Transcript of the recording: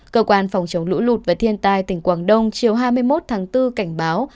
cơ quan phòng chống lũ lụt và thiên tai tỉnh quảng đông chiều hai mươi một tháng bốn cảnh báo